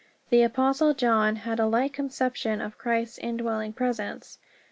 The Apostle John had a like conception of Christ's indwelling presence.